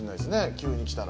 急に来たら。